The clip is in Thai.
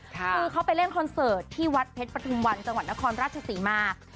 คือเขาไปเล่นคอนเสิร์ตที่วัดเพชรปฐุมวันจังหวัดนครราชศรีมา